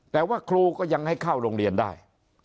แต่ว่าครูก็ยังให้เข้าโรงเรียนได้